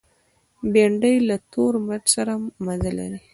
بېنډۍ له تور مرچ سره مزه لري